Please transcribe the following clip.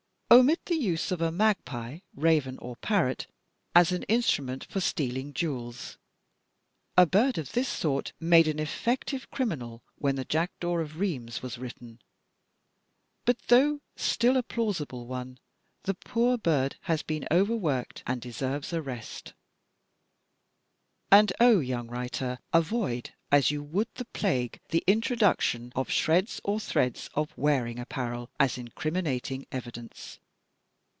Omit the use of a magpie, raven or parrot as an instnmient for stealing jewels. A bird of this sort made an effective criminal when "The Jackdaw of Rheims" was written; but, though still a plausible one, the poor bird has been over worked and deserves a rest. DEVIOUS DEVICES ' 175 And oh, yornig writer, avoid, as you would the plague, the introduction of shreds or threads of wearing apparel as in criminating evidence!